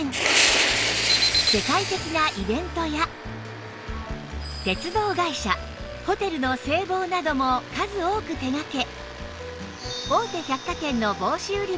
世界的なイベントや鉄道会社・ホテルの制帽なども数多く手掛け